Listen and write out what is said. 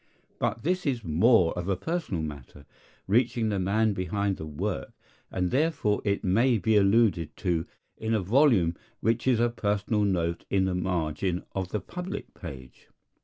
But this is more of a personal matter, reaching the man behind the work, and therefore it may be alluded to in a volume which is a personal note in the margin of the public page.